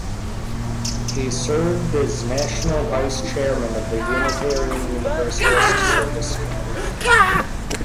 He served as national vice chairman of the Unitarian Universalist Service Committee.